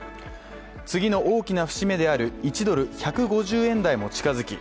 次の大きな節目である１ドル＝１５０円台も近づき